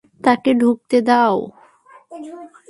তাকে ঢুকতে দাও।